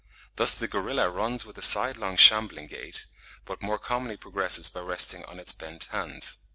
Thus the gorilla runs with a sidelong shambling gait, but more commonly progresses by resting on its bent hands.